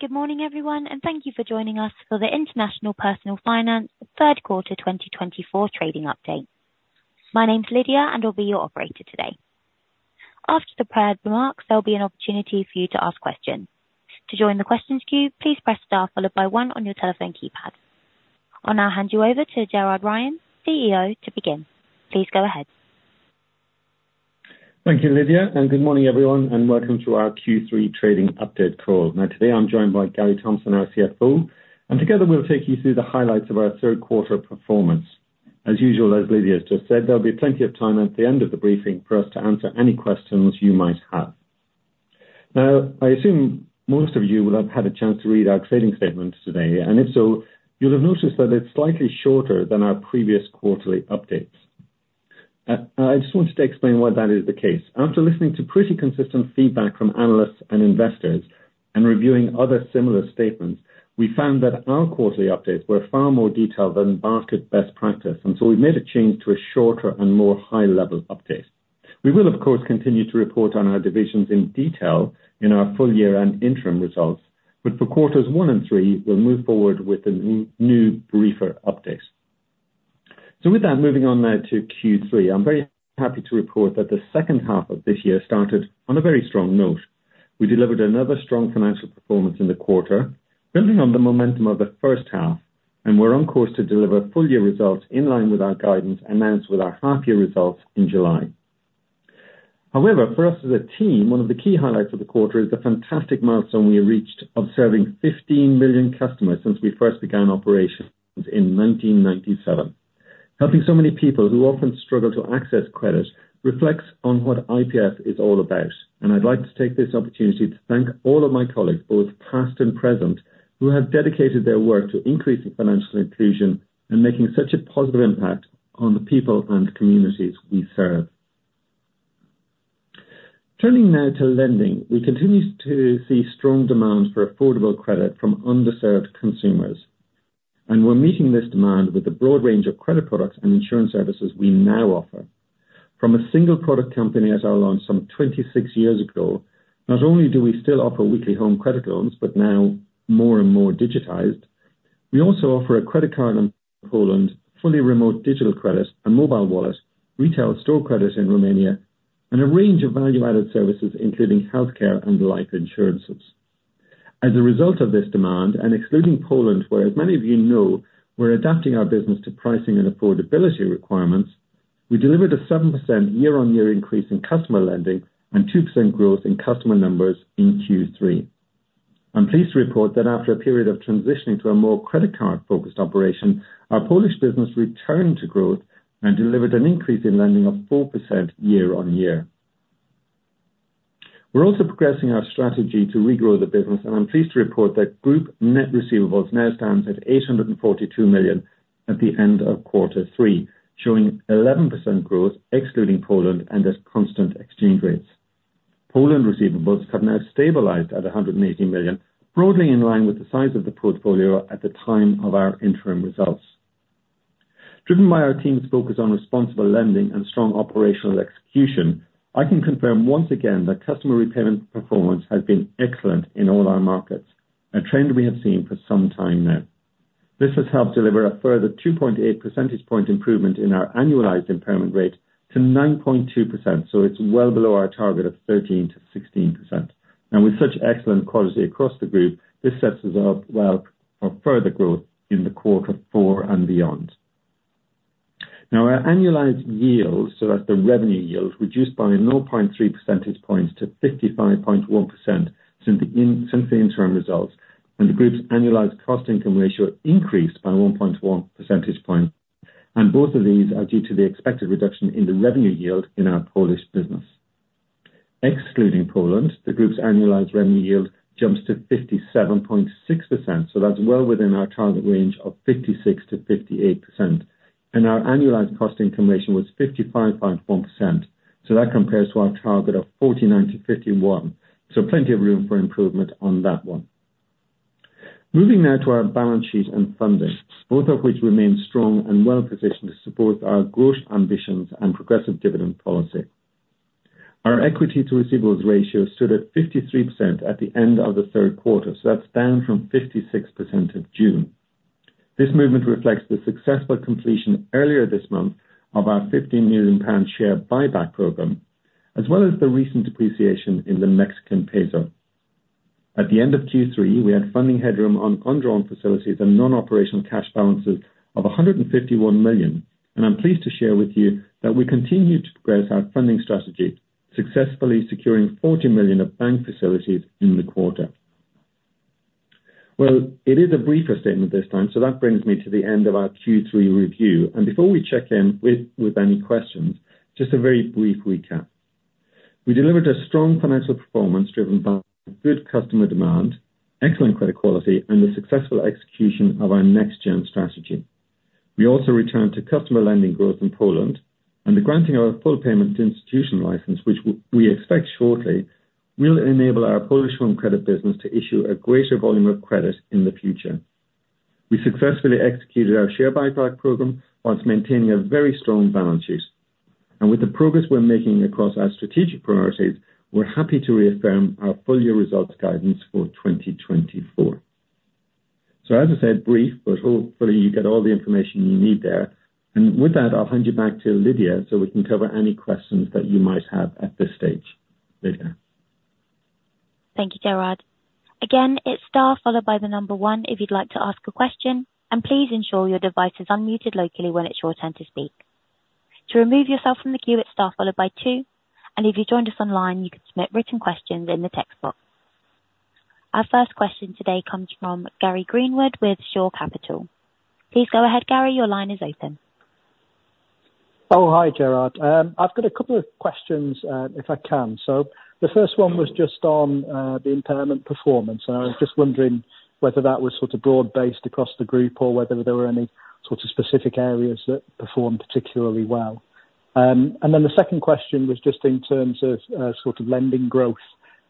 Good morning, everyone, and thank you for joining us for the International Personal Finance third quarter 2024 trading update. My name's Lydia, and I'll be your operator today. After the prepared remarks, there'll be an opportunity for you to ask questions. To join the questions queue, please press star followed by one on your telephone keypad. I'll now hand you over to Gerard Ryan, CEO, to begin. Please go ahead. Thank you, Lydia, and good morning, everyone, and welcome to our Q3 trading update call. Now, today I'm joined by Gary Thompson, our CFO, and together we'll take you through the highlights of our third quarter performance. As usual, as Lydia has just said, there'll be plenty of time at the end of the briefing for us to answer any questions you might have. Now, I assume most of you will have had a chance to read our trading statement today, and if so, you'll have noticed that it's slightly shorter than our previous quarterly updates. I just wanted to explain why that is the case. After listening to pretty consistent feedback from analysts and investors and reviewing other similar statements, we found that our quarterly updates were far more detailed than market best practice, and so we made a change to a shorter and more high-level update. We will, of course, continue to report on our divisions in detail in our full year and interim results, but for quarters one and three, we'll move forward with the new briefer updates. So with that, moving on now to Q3, I'm very happy to report that the second half of this year started on a very strong note. We delivered another strong financial performance in the quarter, building on the momentum of the first half, and we're on course to deliver full year results in line with our guidance announced with our half year results in July. However, for us as a team, one of the key highlights of the quarter is the fantastic milestone we have reached of serving fifteen million customers since we first began operations in 1997 Helping so many people who often struggle to access credit reflects on what IPF is all about, and I'd like to take this opportunity to thank all of my colleagues, both past and present, who have dedicated their work to increasing financial inclusion and making such a positive impact on the people and communities we serve. Turning now to lending, we continue to see strong demand for affordable credit from underserved consumers, and we're meeting this demand with a broad range of credit products and insurance services we now offer. From a single product company as I launched some 26 years ago, not only do we still offer weekly home credit loans, but now more and more digitized. We also offer a credit card in Poland, fully remote digital credit and mobile wallet, retail store credit in Romania, and a range of value-added services, including healthcare and life insurances. As a result of this demand, and excluding Poland, where, as many of you know, we're adapting our business to pricing and affordability requirements, we delivered a 7% year-on-year increase in customer lending and 2% growth in customer numbers in Q3. I'm pleased to report that after a period of transitioning to a more credit card-focused operation, our Polish business returned to growth and delivered an increase in lending of 4% year on year. We're also progressing our strategy to regrow the business, and I'm pleased to report that group net receivables now stands at 842 million at the end of quarter three, showing 11% growth excluding Poland and as constant exchange rates. Poland receivables have now stabilized at 180 million, broadly in line with the size of the portfolio at the time of our interim results. Driven by our team's focus on responsible lending and strong operational execution, I can confirm once again that customer repayment performance has been excellent in all our markets, a trend we have seen for some time now. This has helped deliver a further 2.8 percentage point improvement in our annualized impairment rate to 9.2%, so it's well below our target of 13%-16%. Now, with such excellent quality across the group, this sets us up well for further growth in the quarter four and beyond. Now, our annualized yields, so that's the revenue yields, reduced by 0.3 percentage points to 55.1% since the interim results, and the group's annualized cost income ratio increased by 1.1 percentage point. And both of these are due to the expected reduction in the revenue yield in our Polish business. Excluding Poland, the group's annualized revenue yield jumps to 57.6%, so that's well within our target range of 56%-58%, and our annualized cost-income ratio was 55.1%. So that compares to our target of 49%-51%. So plenty of room for improvement on that one. Moving now to our balance sheet and funding, both of which remain strong and well positioned to support our growth, ambitions and progressive dividend policy. Our equity to receivables ratio stood at 53% at the end of the third quarter, so that's down from 56% in June. This movement reflects the successful completion earlier this month of our 15 million pound share buyback program, as well as the recent depreciation in the Mexican peso. At the end of Q3, we had funding headroom on undrawn facilities and non-operational cash balances of 151 million, and I'm pleased to share with you that we continue to progress our funding strategy, successfully securing 40 million of bank facilities in the quarter. Well, it is a briefer statement this time, so that brings me to the end of our Q3 review. And before we check in with any questions, just a very brief recap. We delivered a strong financial performance driven by good customer demand, excellent credit quality, and the successful execution of our Next Gen strategy. We also returned to customer lending growth in Poland, and the granting of a Full Payment Institution license, which we expect shortly, will enable our Polish home credit business to issue a greater volume of credit in the future. We successfully executed our share buyback program, whilst maintaining a very strong balance sheet. And with the progress we're making across our strategic priorities, we're happy to reaffirm our full year results guidance for 2024. So as I said, brief, but hopefully you get all the information you need there. And with that, I'll hand you back to Lydia, so we can cover any questions that you might have at this stage. Lydia? Thank you, Gerard. Again, it's star followed by the number one, if you'd like to ask a question, and please ensure your device is unmuted locally when it's your turn to speak. To remove yourself from the queue, it's star followed by two, and if you joined us online, you can submit written questions in the text box. Our first question today comes from Gary Greenwood with Shore Capital. Please go ahead, Gary, your line is open. Oh, hi, Gerard. I've got a couple of questions, if I can. So the first one was just on the impairment performance. And I was just wondering whether that was sort of broad-based across the group or whether there were any sort of specific areas that performed particularly well. And then the second question was just in terms of sort of lending growth.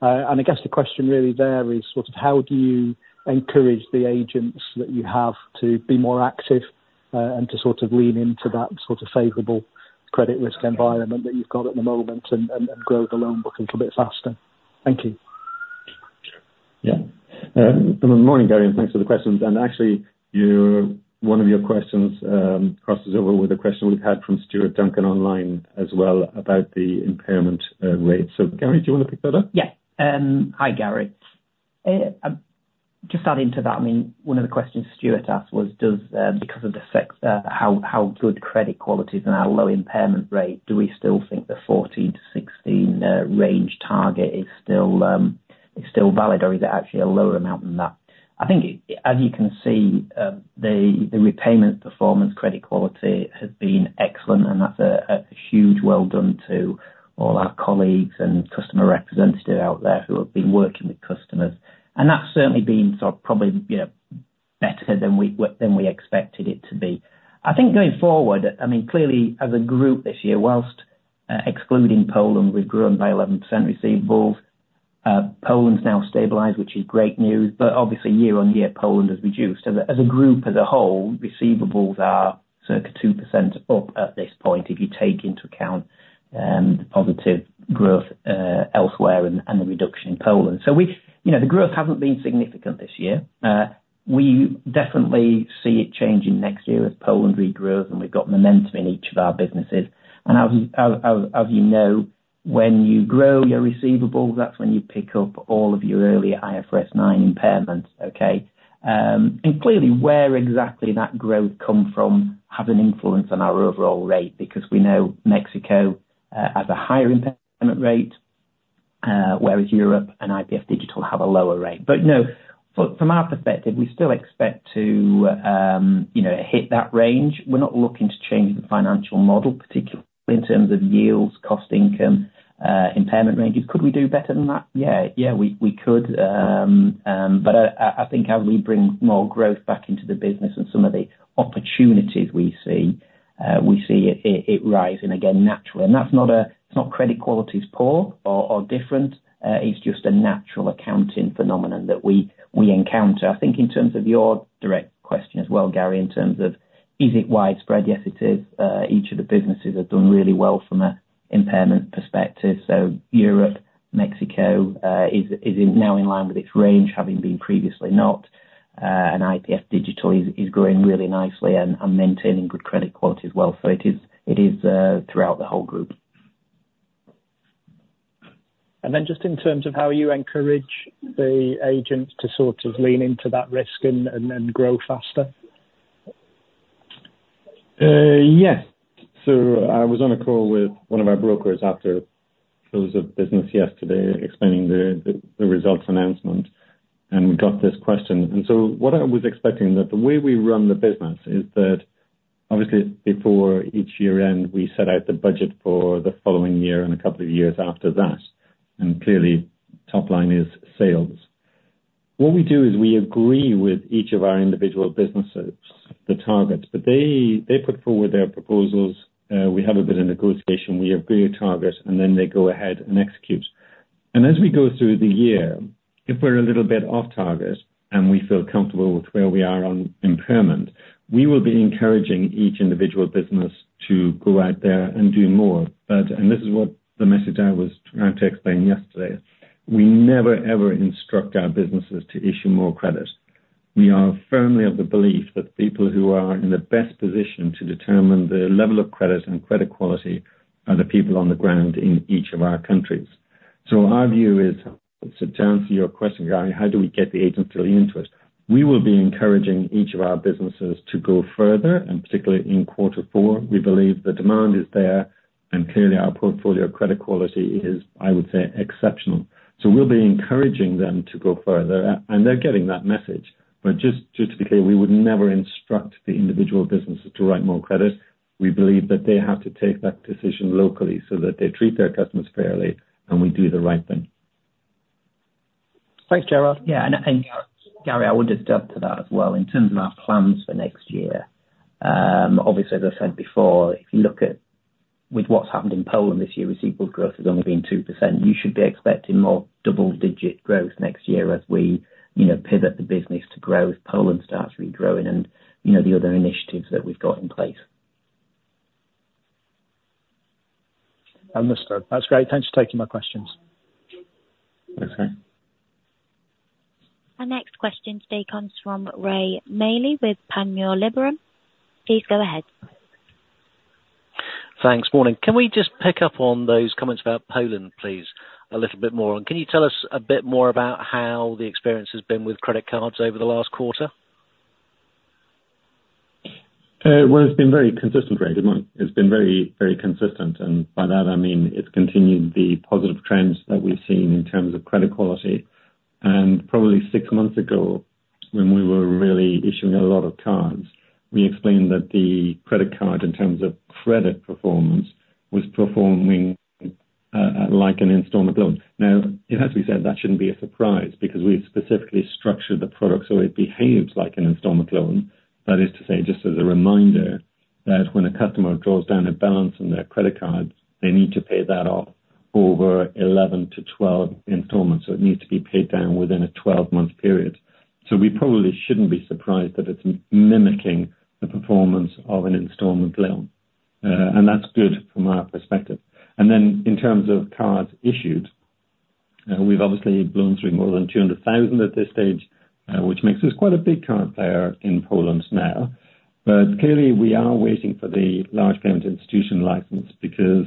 And I guess the question really there is sort of how do you encourage the agents that you have to be more active, and to sort of lean into that sort of favorable credit risk environment that you've got at the moment and grow the loan book a little bit faster? Thank you. Yeah. Good morning, Gary, and thanks for the questions. And actually, one of your questions crosses over with a question we've had from Stuart Duncan online as well, about the impairment rate. So, Gary, do you want to pick that up? Yeah. Hi, Gary. Just adding to that, I mean, one of the questions Stuart asked was, does, because of the fact that how good credit quality is and our low impairment rate, do we still think the 14-16 range target is still valid, or is it actually a lower amount than that? I think it, as you can see, the repayment performance, credit quality has been excellent, and that's a huge well done to all our colleagues and customer representatives out there who have been working with customers. And that's certainly been sort of probably, you know, better than we expected it to be. I think going forward, I mean, clearly as a group this year, whilst excluding Poland, we've grown by 11% receivables. Poland's now stabilized, which is great news, but obviously year-on-year, Poland has reduced. So as a group, as a whole, receivables are circa 2% up at this point, if you take into account the positive growth elsewhere and the reduction in Poland. So we've, you know, the growth hasn't been significant this year. We definitely see it changing next year as Poland regrows, and we've got momentum in each of our businesses. And as you know, when you grow your receivables, that's when you pick up all of your early IFRS 9 impairments. Okay? And clearly, where exactly that growth come from have an influence on our overall rate, because we know Mexico has a higher impairment rate, whereas Europe and IPF Digital have a lower rate. But no, from our perspective, we still expect to, you know, hit that range. We're not looking to change the financial model, particularly in terms of yields, cost income, impairment ranges. Could we do better than that? Yeah, we could. But I think as we bring more growth back into the business and some of the opportunities we see, we see it rising again naturally. And that's not. It's not credit quality is poor or different. It's just a natural accounting phenomenon that we encounter. I think in terms of your direct question as well, Gary, in terms of, is it widespread? Yes, it is. Each of the businesses have done really well from an impairment perspective. So, Europe, Mexico is now in line with its range, having been previously not, and IPF Digital is growing really nicely and maintaining good credit quality as well. So, it is throughout the whole group. And then just in terms of how you encourage the agents to sort of lean into that risk and grow faster. Yes, so I was on a call with one of our brokers after close of business yesterday, explaining the results announcement, and we got this question, and so what I was expecting, that the way we run the business is that obviously before each year end, we set out the budget for the following year and a couple of years after that, and clearly, top line is sales. What we do is we agree with each of our individual businesses, the targets, but they put forward their proposals, we have a bit of negotiation, we agree a target, and then they go ahead and execute, and as we go through the year, if we're a little bit off target and we feel comfortable with where we are on impairment, we will be encouraging each individual business to go out there and do more. And this is what the message I was trying to explain yesterday. We never, ever instruct our businesses to issue more credit. We are firmly of the belief that people who are in the best position to determine the level of credit and credit quality are the people on the ground in each of our countries. So our view is, so to answer your question, Gary, how do we get the agents to lean into this? We will be encouraging each of our businesses to go further, and particularly in quarter four, we believe the demand is there, and clearly our portfolio of credit quality is, I would say, exceptional. So we'll be encouraging them to go further, and they're getting that message. But just, just to be clear, we would never instruct the individual businesses to write more credit. We believe that they have to take that decision locally, so that they treat their customers fairly, and we do the right thing. Thanks, Gerard. Yeah, and Gary, I would just add to that as well, in terms of our plans for next year. Obviously, as I said before, if you look at with what's happened in Poland this year, receivables growth has only been 2%. You should be expecting more double digit growth next year as we, you know, pivot the business to growth. Poland starts regrowing and, you know, the other initiatives that we've got in place. Understood. That's great. Thanks for taking my questions. Okay. Our next question today comes from Rae Maile with Panmure Gordon. Please go ahead. Thanks. Morning. Can we just pick up on those comments about Poland, please, a little bit more? And can you tell us a bit more about how the experience has been with credit cards over the last quarter? Well, it's been very consistent, Rae. Good morning. It's been very, very consistent, and by that I mean it's continued the positive trends that we've seen in terms of credit quality, and probably six months ago, when we were really issuing a lot of cards, we explained that the credit card, in terms of credit performance, was performing like an installment loan. Now, it has to be said, that shouldn't be a surprise because we've specifically structured the product so it behaves like an installment loan. That is to say, just as a reminder, that when a customer draws down a balance on their credit card, they need to pay that off over eleven to twelve installments. So it needs to be paid down within a twelve-month period. So we probably shouldn't be surprised that it's mimicking the performance of an installment loan. And that's good from our perspective. And then, in terms of cards issued, we've obviously blown through more than 200,000 at this stage, which makes us quite a big card player in Poland now. But clearly, we are waiting for the Full Payment Institution license because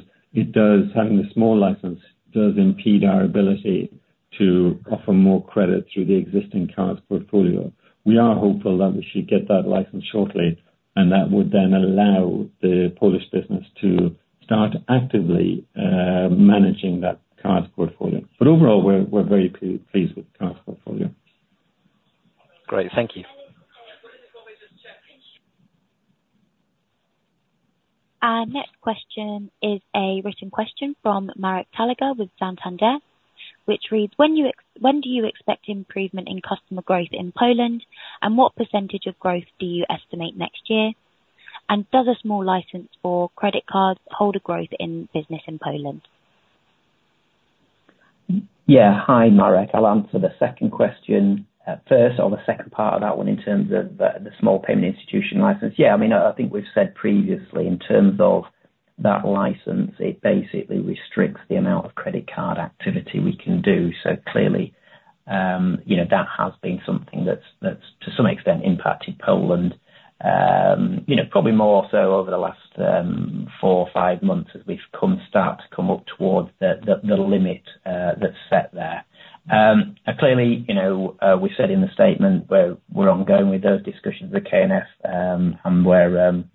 having a small license does impede our ability to offer more credit through the existing cards portfolio. We are hopeful that we should get that license shortly, and that would then allow the Polish business to start actively managing that card portfolio. But overall, we're very pleased with the card portfolio. Great. Thank you. Our next question is a written question from Marek Talaga, with Santander, which reads: When do you expect improvement in customer growth in Poland? And what percentage of growth do you estimate next year? And does a small license for credit cards hold a growth in business in Poland? Yeah. Hi, Marek. I'll answer the second question first or the second part of that one in terms of the Small Payment Institution license. Yeah, I mean, I think we've said previously, in terms of that license, it basically restricts the amount of credit card activity we can do. So clearly, you know, that has been something that's to some extent impacted Poland. You know, probably more so over the last four or five months as we've started to come up towards the limit that's set there. Clearly, you know, we said in the statement we're ongoing with those discussions with KNF, and we're, you know, hopeful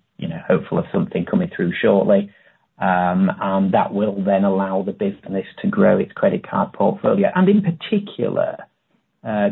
of something coming through shortly. And that will then allow the business to grow its credit card portfolio, and in particular,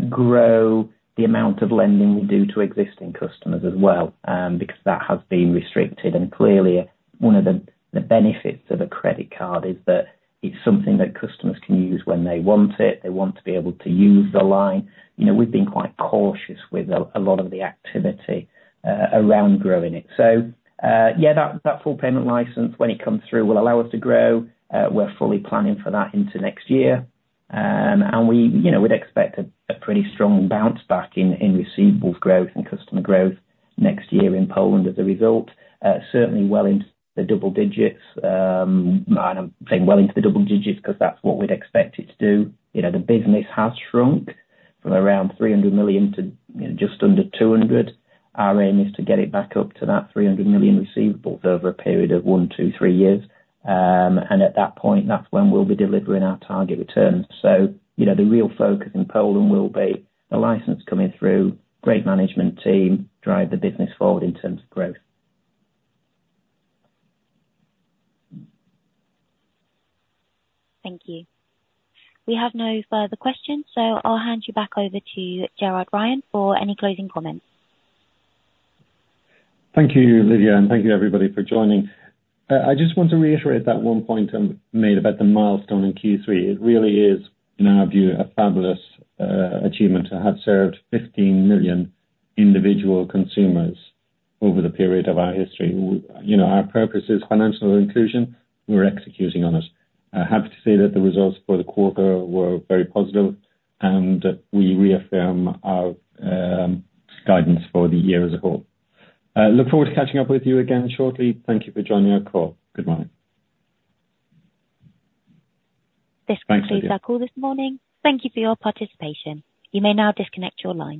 grow the amount of lending we do to existing customers as well, because that has been restricted. And clearly, one of the benefits of a credit card is that it's something that customers can use when they want it. They want to be able to use the line. You know, we've been quite cautious with a lot of the activity around growing it. So, yeah, that full payment license, when it comes through, will allow us to grow. We're fully planning for that into next year. And we, you know, would expect a pretty strong bounce back in receivables growth and customer growth next year in Poland as a result. Certainly well into the double digits. And I'm saying well into the double digits, because that's what we'd expect it to do. You know, the business has shrunk from around 300 million to, you know, just under 200 million. Our aim is to get it back up to that 300 million receivables over a period of one, two, three years. And at that point, that's when we'll be delivering our target returns. So, you know, the real focus in Poland will be the license coming through, great management team, drive the business forward in terms of growth. Thank you. We have no further questions, so I'll hand you back over to Gerard Ryan for any closing comments. Thank you, Lydia, and thank you, everybody, for joining. I just want to reiterate that one point I made about the milestone in Q3. It really is, in our view, a fabulous achievement to have served fifteen million individual consumers over the period of our history. You know, our purpose is financial inclusion. We're executing on it. I'm happy to say that the results for the quarter were very positive, and we reaffirm our guidance for the year as a whole. I look forward to catching up with you again shortly. Thank you for joining our call. Good night. This concludes our call this morning. Thank you for your participation. You may now disconnect your lines.